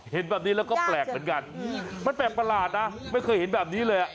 เห็นแบบนี้แล้วก็แปลกเหมือนกันมันแปลกประหลาดนะไม่เคยเห็นแบบนี้เลยอ่ะ